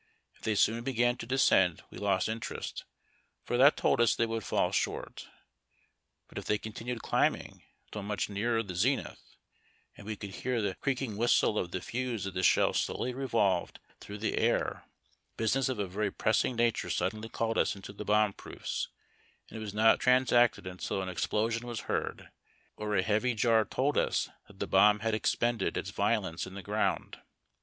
If they soon began to descend we lost interest, for that told us they would fall short; but if they continued climbing until much nearer the zenitli, and we could hear the creak ing whistle of the fuse as the sliell slowly revolved through the air, business of a very pressing 7iature suddenly called us into the bomb proofs; and it was not transacted until an explosion was heard, or a heavy jar told us that the bomb had expended its violence in the ground.